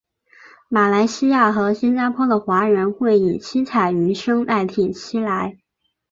马来西亚和新加坡的华人会以七彩鱼生代替七菜。